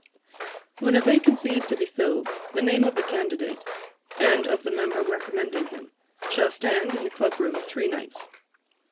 'When a vacancy is to be filled, the name of the candidate, and of the member recommending him, shall stand in the Club room three nights.